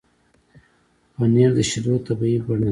پنېر د شیدو طبیعي بڼه ده.